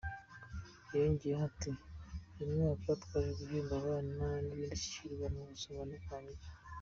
Yongeyeho ati : ”Uyu mwaka twaje guhemba abana b’indashyikirwa mu gusoma no kwandika”.